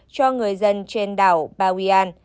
cho người dân trên đảo bawean